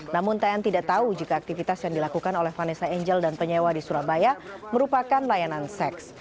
namun tn tidak tahu jika aktivitas yang dilakukan oleh vanessa angel dan penyewa di surabaya merupakan layanan seks